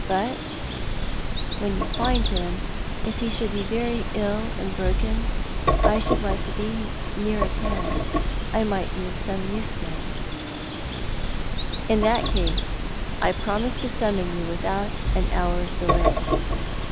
But wheu you find him, if he should be very ill and broken, I should like to be near at hand. I might be of some use then," " In that case I promise to summon vou without an hour's delay."